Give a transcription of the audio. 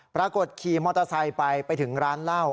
ขี่มอเตอร์ไซค์ไปไปถึงร้านเหล้า